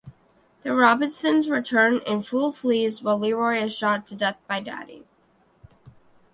The Robesons return and Fool flees while Leroy is shot to death by Daddy.